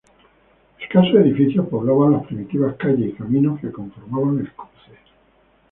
Escasos edificios poblaban las primitivas calles y caminos que conformaban el cruce.